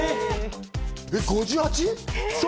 ５８？